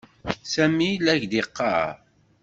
Sami la ak-d-yeɣɣar.